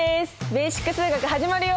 「ベーシック数学」始まるよ！